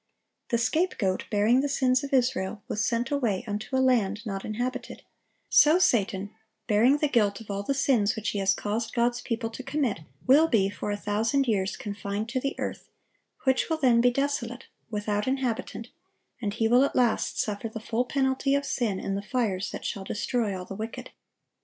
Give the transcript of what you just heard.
The scapegoat, bearing the sins of Israel, was sent away "unto a land not inhabited;"(868) so Satan, bearing the guilt of all the sins which he has caused God's people to commit, will be for a thousand years confined to the earth, which will then be desolate, without inhabitant, and he will at last suffer the full penalty of sin in the fires that shall destroy all the wicked.